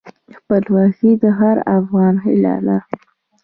خپلواکي د هر افغان هیله ده.